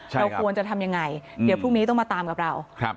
เราควรจะทำยังไงเดี๋ยวพรุ่งนี้ต้องมาตามกับเรา